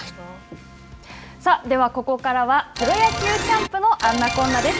さあではここからはプロ野球キャンプのあんなこんなです。